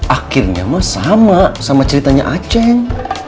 akhirnya mah sama sama ceritanya aceh